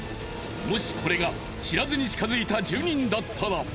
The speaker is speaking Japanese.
もしこれが知らずに近づいた住人だったら。